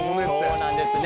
そうなんですね。